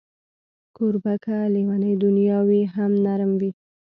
کوربه که لېونۍ دنیا وي، هم نرم وي.